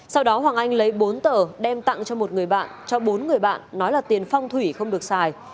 sau đó hoàng anh lấy bốn tờ đem tặng cho một người bạn cho bốn người bạn nói là tiền phong thủy không được xài